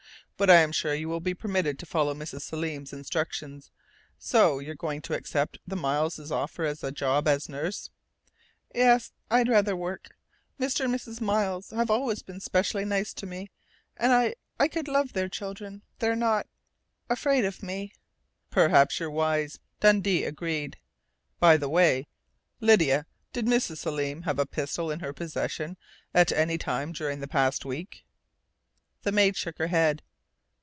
"But I am sure you will be permitted to follow Mrs. Selim's instructions.... So you're going to accept the Miles' offer of a job as nurse?" "Yes. I'd rather work. Mr. and Mrs. Miles have always been specially nice to me, and I I could love their children. They're not afraid of me " "Perhaps you're wise," Dundee agreed. "By the way, Lydia, did Mrs. Selim have a pistol in her possession at any time during the past week?" The maid shook her head.